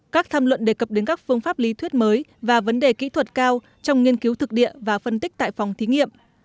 các tham luận đề cập đến các phương pháp lý thuyết mới và vấn đề kỹ thuật cao trong nghiên cứu thực địa và phân tích tại phòng thí nghiệm